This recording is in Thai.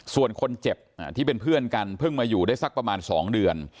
ส่วนคนเจ็บที่เป็นเพื่อนกันเพิ่งมาอยู่ได้สักประมาณ๒เดือน